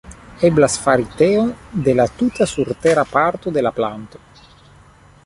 Eblas fari teon de la tuta surtera parto de la planto.